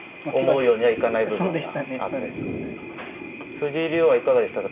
藤井竜王はいかがでしたか。